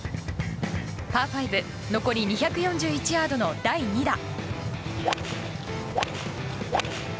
パー５残り２４１ヤードの第２打。